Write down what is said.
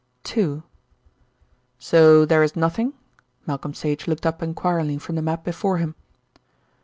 II "So there is nothing?" Malcolm Sage looked up enquiringly from the map before him.